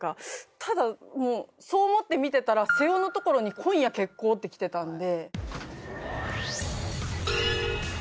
ただそう思って見てたら背尾のところに「今夜決行」って来てたんで。